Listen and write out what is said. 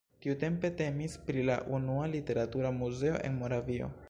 Tiutempe temis pri la unua literatura muzeo en Moravio.